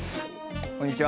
こんにちは。